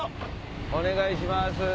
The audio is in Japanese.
お願いします！